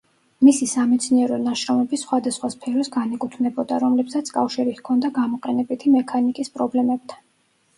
მისი სამეცნიერო ნაშრომები სხვადასხვა სფეროს განეკუთვნებოდა, რომლებსაც კავშირი ჰქონდა გამოყენებითი მექანიკის პრობლემებთან.